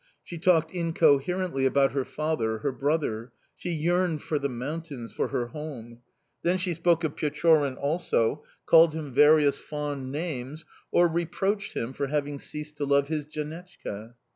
She talked incoherently about her father, her brother; she yearned for the mountains, for her home... Then she spoke of Pechorin also, called him various fond names, or reproached him for having ceased to love his janechka.